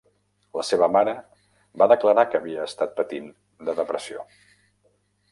La seva mare va declarar que havia estat patint de depressió.